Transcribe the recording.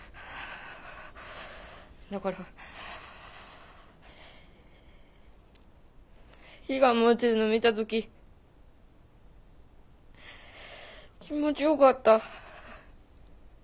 だから火が燃えてるの見た時気持ちよかった。